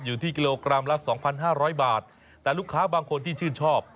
อยู่ที่กิโลกรัมละสองพันห้าร้อยบาทแต่ลูกค้าบางคนที่ชื่นชอบ